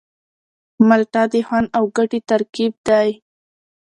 مالټه د خوند او ګټې ترکیب دی.